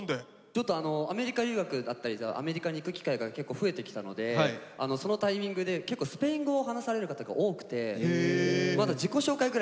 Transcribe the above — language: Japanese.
ちょっとアメリカ留学だったりアメリカに行く機会が結構増えてきたのでそのタイミングで結構スペイン語を話される方が多くてまだ自己紹介ぐらいしか全然できないので。